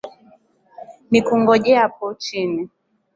Nikungojapo chini,